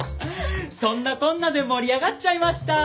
そんなこんなで盛り上がっちゃいました！